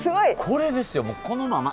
これですよもうこのまま。